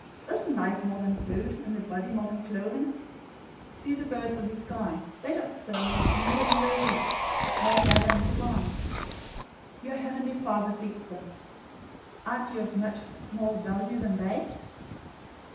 Isn't life more than food, and the body more than clothing? 006:026 See the birds of the sky, that they don't sow, neither do they reap, nor gather into barns. Your heavenly Father feeds them. Aren't you of much more value than they?